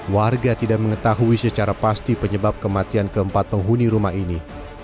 warga tidak mengetahui secara pasti penyebab kematian keempat penghuni rumah ini